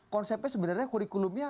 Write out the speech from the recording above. konsepnya sebenarnya kurikulumnya